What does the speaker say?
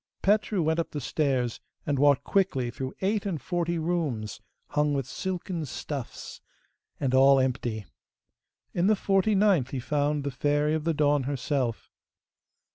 Petru went up the stairs and walked quickly through eight and forty rooms, hung with silken stuffs, and all empty. In the forty ninth he found the Fairy of the Dawn herself.